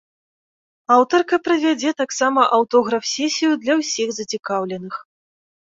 Аўтарка правядзе таксама аўтограф-сесію для ўсіх зацікаўленых.